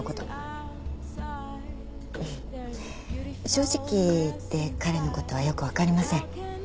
正直言って彼のことはよく分かりません。